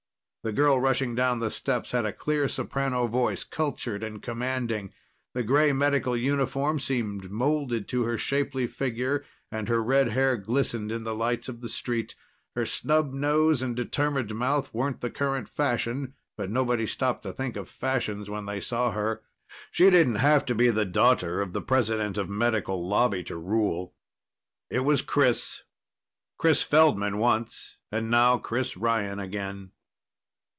The girl rushing down the steps had a clear soprano voice, cultured and commanding. The gray Medical uniform seemed molded to her shapely figure and her red hair glistened in the lights of the street. Her snub nose and determined mouth weren't the current fashion, but nobody stopped to think of fashions when they saw her. She didn't have to be the daughter of the president of Medical Lobby to rule. It was Chris Chris Feldman once, and now Chris Ryan again.